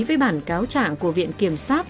với bản cáo trạng của viện kiểm sát